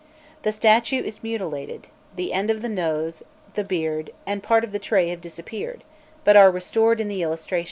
The statue is mutilated: the end of the nose, the beard, and part of the tray have disappeared, but are restored in the illustration.